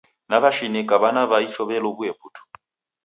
Naw'eshinika w'ana wa icho w'alowoe putu